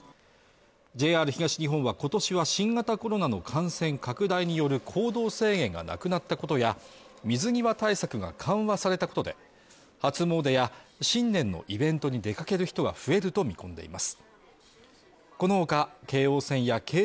ＪＲ東日本は今年は新型コロナの感染拡大による行動制限がなくなったことや水際対策が緩和されたことで初詣や新年のイベントに出かける人が増えると見込んでいます。